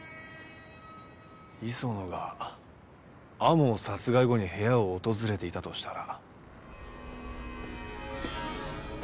磯野が天羽殺害後に部屋を訪れていたとしたら。